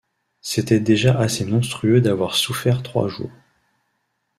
C’était déjà assez monstrueux d’avoir souffert trois jours.